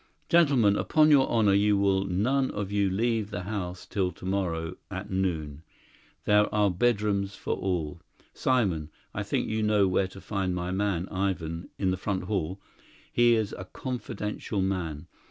Gentlemen, upon your honour, you will none of you leave the house till tomorrow at noon; there are bedrooms for all. Simon, I think you know where to find my man, Ivan, in the front hall; he is a confidential man.